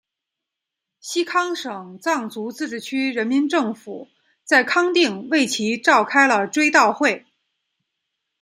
西康省藏族自治区人民政府在康定为其召开了追悼会。